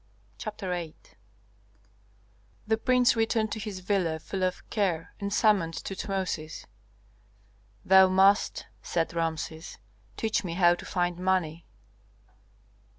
CHAPTER VIII The prince returned to his villa full of care, and summoned Tutmosis. "Thou must," said Rameses, "teach me how to find money."